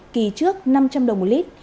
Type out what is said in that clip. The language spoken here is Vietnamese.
kỳ trước năm trăm linh đồng một lit